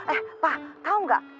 eh pak tahu gak